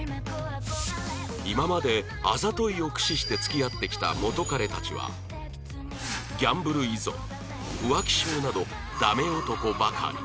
今まであざといを駆使して付き合ってきた元カレたちはギャンブル依存浮気性などダメ男ばかり